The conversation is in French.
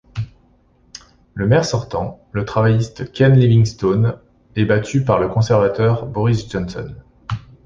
Le maire sortant, le travailliste Ken Livingstone, est battu par le conservateur Boris Johnson.